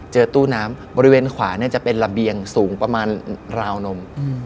เจอตู้น้ำบริเวณขวาจะเป็นระเบียงสูงประมาณราวนม